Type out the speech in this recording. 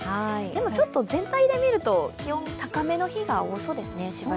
でも、ちょっと全体で見るとしばらく気温は高めの日が多そうですね。